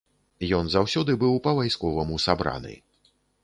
Ён заўсёды быў па-вайсковаму сабраны.